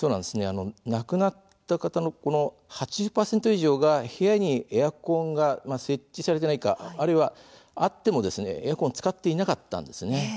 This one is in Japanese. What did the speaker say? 亡くなった方の８０％以上は部屋にエアコンが設置されていないかあってもエアコンを使っていなかったんです。